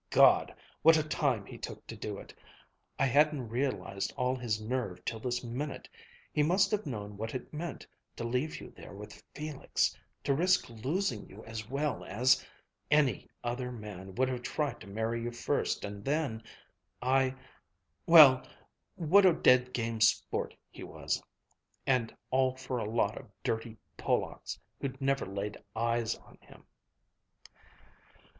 "God! What a time he took to do it! I hadn't realized all his nerve till this minute. He must have known what it meant, to leave you there with Felix ... to risk losing you as well as Any other man would have tried to marry you first and then ! Well, what a dead game sport he was! And all for a lot of dirty Polacks who'd never laid eyes on him!"